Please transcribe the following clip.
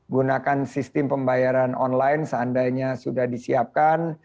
gunakan sistem pembayaran online seandainya sudah disiapkan